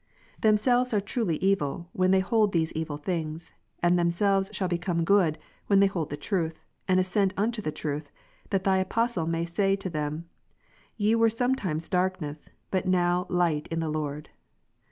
Themselves are truly evil, when they hold these evil things; and themselves shall become good, when they hold the truth, and assent unto the truth, that Thy Apostle may say to them, Ye ivere sometimes darkness, but now light in the Lord.